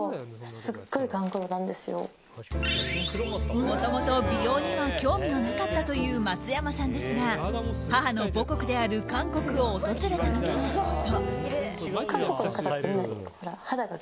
もともと美容には興味のなかったという松山さんですが母の母国である韓国を訪れた時のこと。